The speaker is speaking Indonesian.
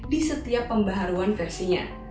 di setiap pembaharuan versinya